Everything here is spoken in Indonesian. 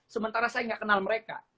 sementara saya nggak kenal mereka